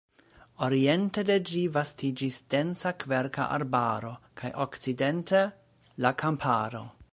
Oriente de ĝi vastiĝis densa kverka arbaro kaj okcidente – la kamparo.